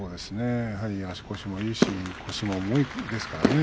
足腰もいいし腰も重いですからね。